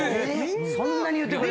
そんなに言うてくれる？